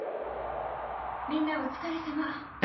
みんなお疲れさま。